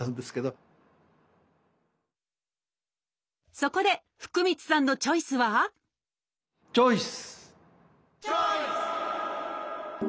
そこで福満さんのチョイスはチョイス！